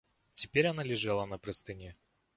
Теперь она лежала на простыне.